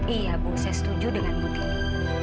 iya bu saya setuju dengan butini